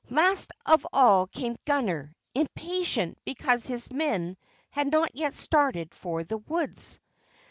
Last of all came Gunner, impatient because his men had not yet started for the woods.